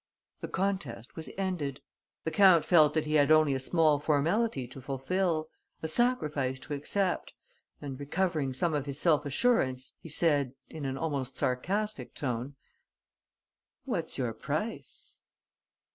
The contest was ended. The count felt that he had only a small formality to fulfil, a sacrifice to accept; and, recovering some of his self assurance, he said, in an almost sarcastic tone: "What's your price?"